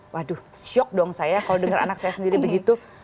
waduh shock dong saya kalau dengar anak saya sendiri begitu